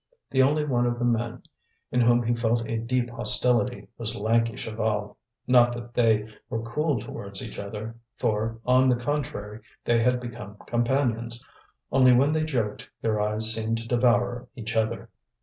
The only one of the men in whom he felt a deep hostility was lanky Chaval: not that they were cool towards each other, for, on the contrary, they had become companions; only when they joked their eyes seemed to devour each other.